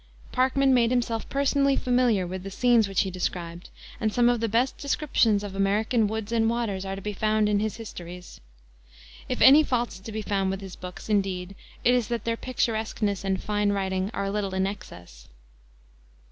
Parkman made himself personally familiar with the scenes which he described, and some of the best descriptions of American woods and waters are to be found in his histories. If any fault is to be found with his books, indeed, it is that their picturesqueness and "fine writing" are a little in excess.